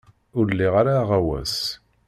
Ur liɣ ara aɣawas.